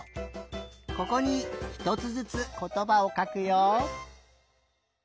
ここにひとつずつことばをかくよ。